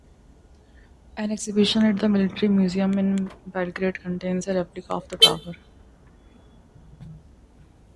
An exhibition at the Military Museum in Belgrade contains a replica of the tower.